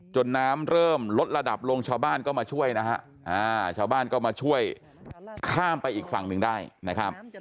น้ำเริ่มลดระดับลงชาวบ้านก็มาช่วยนะฮะชาวบ้านก็มาช่วยข้ามไปอีกฝั่งหนึ่งได้นะครับ